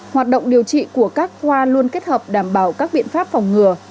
hoạt động điều trị của các khoa luôn kết hợp đảm bảo các biện pháp phòng ngừa